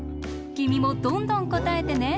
きみもどんどんこたえてね。